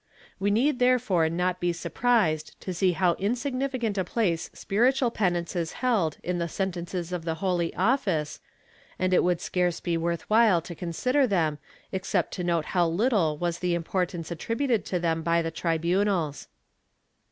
We need therefore not be surprised to see how insignificant a place spiritual penances held in the sentences of the Holy Office, and it would scarce be worth while to consider them except to note how little was the importance attrib uted to them by the tribunals.